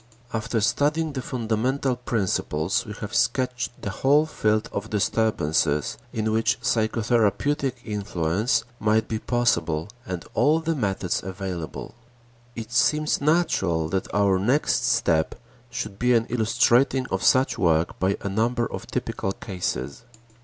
After studying the fundamental principles, we have sketched the whole field of disturbances in which psychotherapeutic influence might be possible and all the methods available. It seems natural that our next step should be an illustrating of such work by a number of typical cases.